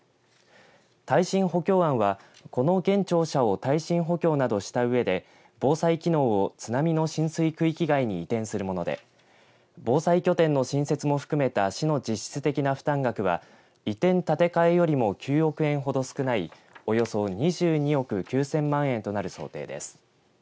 耐震補強案はこの現庁舎を耐震補強などしたうえで防災機能を津波の浸水区域外に移転するもので防災拠点の新設も含めた市の実質的な負担額は移転建て替えよりも９億円ほど少ないおよそ２２億９０００万円となる想定です。